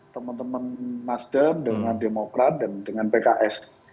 teman teman nasdem dengan demokrat dan dengan pks